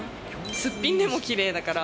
すっぴんでもきれいだから。